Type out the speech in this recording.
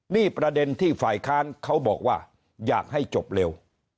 นี่ประเด็นที่ฝ่ายค้านเขาบอกว่าอยากให้จบเร็ว